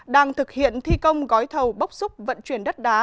đang thực hiện thi công gói thầu bốc xúc vận chuyển đất đá